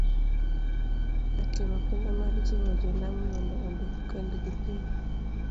E timo kinda mar jiwo jo Lamu mondo ondik kendgi piny,